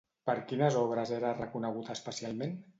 Per quines obres era reconegut especialment?